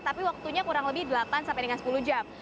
tapi waktunya kurang lebih delapan sampai dengan sepuluh jam